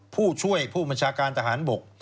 ผู้ช่วยผู้บัญชาการทหารบก